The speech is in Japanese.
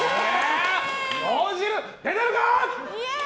脳汁出てるかー！